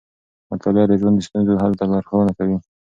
مطالعه د ژوند د ستونزو حل ته لارښونه کوي.